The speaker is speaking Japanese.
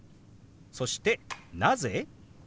そして「なぜ？」。